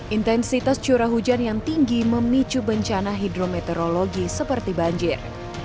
intensitas curah hujan yang tinggi memicu bencana hidrometeorologi seperti banjir